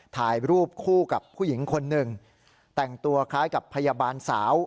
ถ่ายรูปคู่กับผู้หญิงคนหนึ่งแต่งตัวคล้ายกับพยาบาลสาว